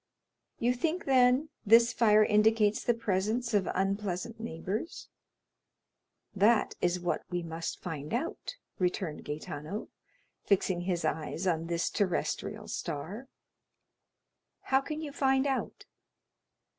"You think, then, this fire indicates the presence of unpleasant neighbors?" "That is what we must find out," returned Gaetano, fixing his eyes on this terrestrial star. "How can you find out?"